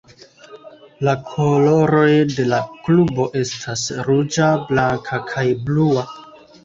La koloroj de la klubo estas ruĝa, blanka, kaj blua.